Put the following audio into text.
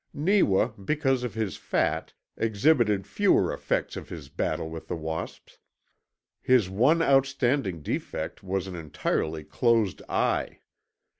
Neewa, because of his fat, exhibited fewer effects of his battle with the wasps. His one outstanding defect was an entirely closed eye.